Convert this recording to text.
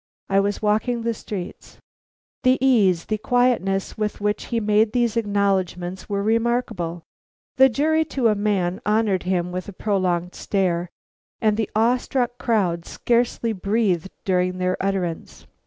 "I was walking the streets." The ease, the quietness with which he made these acknowledgments were remarkable. The jury to a man honored him with a prolonged stare, and the awe struck crowd scarcely breathed during their utterance.